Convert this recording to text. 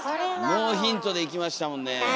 ノーヒントでいきましたもんねえ。